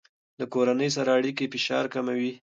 له کورنۍ سره اړیکه د فشار کموي.